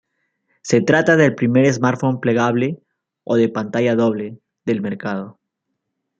Se trata del primer smartphone plegable, o de pantalla doble, del mercado.